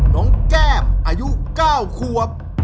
น้องแก้มอายุ๙ขวบ